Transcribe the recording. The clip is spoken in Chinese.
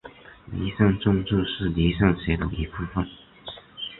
离散政治是离散学的一部份。